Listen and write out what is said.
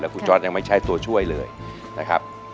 คุณจอร์ดยังไม่ใช่ตัวช่วยเลยนะครับ